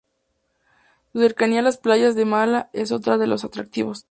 Su cercanía a las playas de Mala es otra de los atractivos.